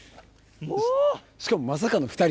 しかもまさかの２人。